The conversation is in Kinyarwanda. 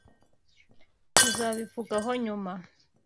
Tuzabivugaho nyuma.